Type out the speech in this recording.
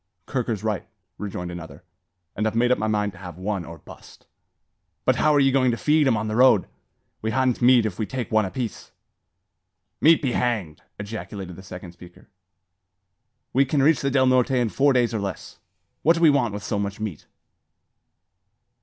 "Kirker's right," Rejoined another; "and I've made up my mind to have one, or bust." "But how are ye goin' to feed 'em on the road? We ha'n't meat if we take one apiece." "Meat be hanged!" ejaculated the second speaker; "we kin reach the Del Norte in four days or less. What do we want with so much meat?"